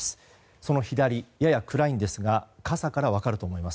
その左、やや暗いんですが傘から分かると思います。